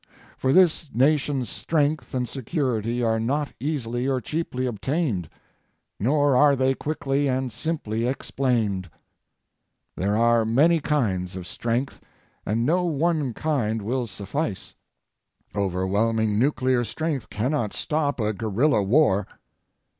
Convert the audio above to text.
For this Nation's strength and security are not easily or cheaply obtained, nor are they quickly and simply explained. There are many kinds of strength and no one kind will suffice. Overwhelming nuclear strength cannot stop a guerrilla war.